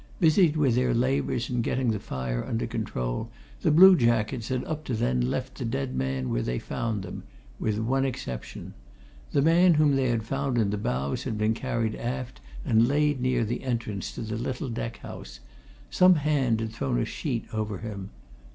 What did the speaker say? Busied with their labours in getting the fire under control, the blue jackets had up to then left the dead men where they found them with one exception. The man whom they had found in the bows had been carried aft and laid near the entrance to the little deck house some hand had thrown a sheet over him.